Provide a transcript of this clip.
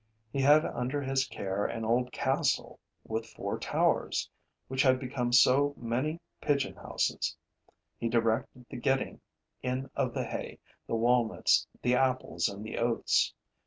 He had under his care an old castle with four towers, which had become so many pigeon houses; he directed the getting in of the hay, the walnuts, the apples and the oats.